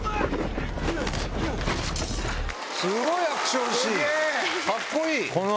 すごいアクションシーン！